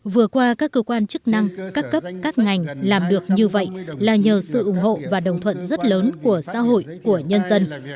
vừa qua các cơ quan chức năng các cấp các ngành làm được như vậy là nhờ sự ủng hộ và đồng thuận rất lớn của xã hội của nhân dân